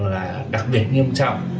là đặc biệt nghiêm trọng